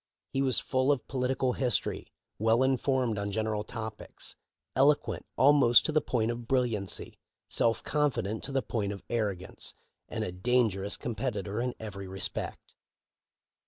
He was full of political history, well informed on general topics, eloquent almost to the point of brilliancy, self confident to the point of arrogance, and a dangerous competitor in every respect.